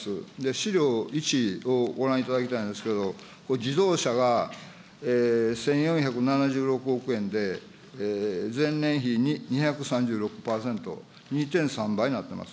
資料１をご覧いただきたいんですけど、自動車が１４７６億円で、前年比２３６％、２．３倍になってます。